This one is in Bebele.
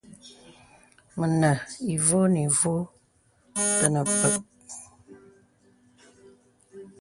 Mənə ivɔ̄ɔ̄ nì vɔ̄ɔ̄ tənə pək.